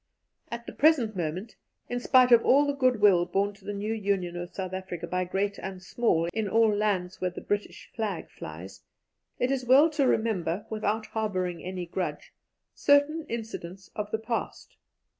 At the present moment, in spite of all the good will borne to the new Union of South Africa by great and small in all lands where the British flag flies, it is well to remember, without harbouring any grudge, certain incidents of the past.